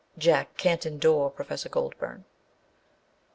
Jack can't endure Professor Goldburn.